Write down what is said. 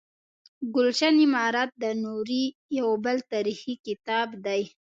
ګلشن امارت د نوري یو بل تاریخي کتاب دی.